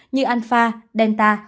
như alpha delta